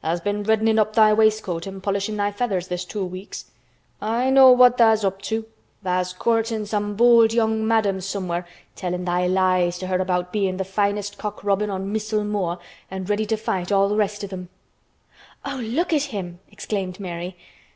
Tha's been reddenin' up thy waistcoat an' polishin' thy feathers this two weeks. I know what tha's up to. Tha's courtin' some bold young madam somewhere tellin' thy lies to her about bein' th' finest cock robin on Missel Moor an' ready to fight all th' rest of 'em." "Oh! look at him!" exclaimed Mary.